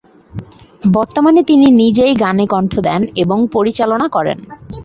বর্তমানে তিনি নিজেই গানে কণ্ঠ দেন এবং পরিচালনা করেন।